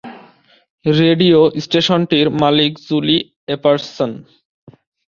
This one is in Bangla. রেডিও স্টেশনটির মালিক জুলি এপারসন।